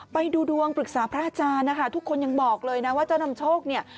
ไปดูดวงปรึกษาพระอาจารย์นะคะทุกคนยังบอกเลยนะว่าเจ้านำโชคเนี่ย